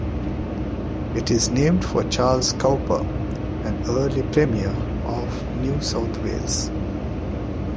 It is named for Charles Cowper, an early Premier of New South Wales.